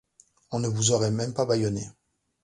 On ne vous aurait même pas bâillonné.